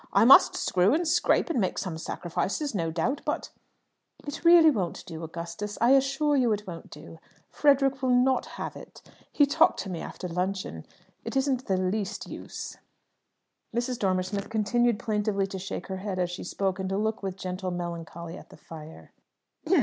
"I must screw and scrape and make some sacrifices no doubt, but " "It really won't do, Augustus. I assure you it won't do. Frederick will not have it. He talked to me after luncheon. It isn't the least use." Mrs. Dormer Smith continued plaintively to shake her head as she spoke, and to look with gentle melancholy at the fire.